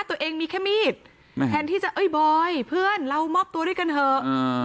ตัวเองมีแค่มีดแทนที่จะเอ้ยบอยเพื่อนเรามอบตัวด้วยกันเถอะ